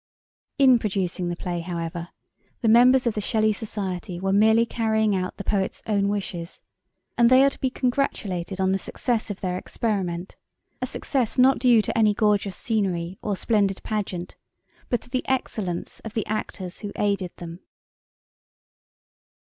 In producing the play, however, the members of the Shelley Society were merely carrying out the poet's own wishes, and they are to be congratulated on the success of their experiment a success due not to any gorgeous scenery or splendid pageant, but to the excellence of the actors who aided them.